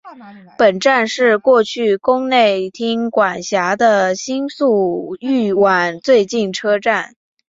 本站是过去宫内厅管辖的新宿御苑最近车站。